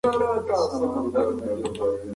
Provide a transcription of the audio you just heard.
تعلیم لرونکې میندې د ماشومانو د خواړو تنوع زیاتوي.